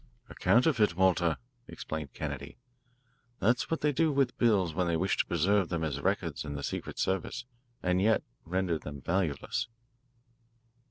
"A counterfeit, Walter," explained Kennedy. "That's what they do with bills when they wish to preserve them as records in the secret service and yet render them valueless."